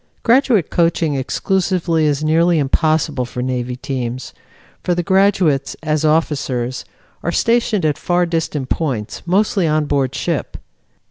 Graduate coaching exclusively is nearly impossible for Navy teams, for the graduates, as officers, are stationed at far distant points, mostly on board ship.